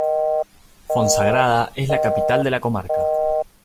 Fonsagrada es la capital de la comarca.